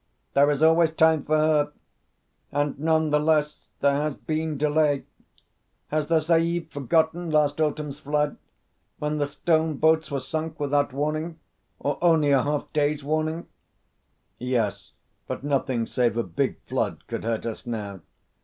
"There is always time for her; and none the less there has been delay. Has the Sahib forgotten last autumn's flood, when the stone boats were sunk without warning or only a half day's warning?" "Yes, but nothing save a big flood could hurt us now.